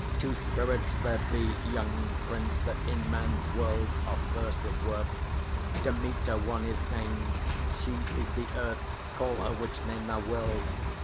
Two spirits there be, Young Prince, that in man's world are first of worth. Dêmêtêr one is named; she is the Earth Call her which name thou will!